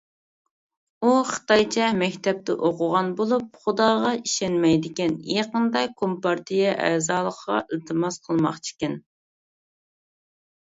ئۇ خىتايچە مەكتەپتە ئوقۇغان بولۇپ، خۇداغا ئىشەنمەيدىكەن، يېقىندا كومپارتىيە ئەزالىقىغا ئىلتىماس قىلماقچىكەن.